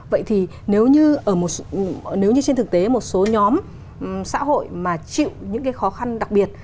vậy thì nếu như trên thực tế một số nhóm xã hội mà chịu những khó khăn đặc biệt